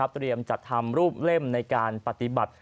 เตรียมจัดทำรูปเล่มในการปฏิบัติ